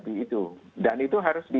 itu dan itu harus di